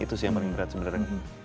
itu sih yang paling berat sebenarnya